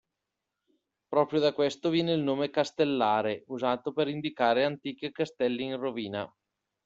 Proprio da questo viene il nome "Castellare" usato per indicare antichi castelli in rovina.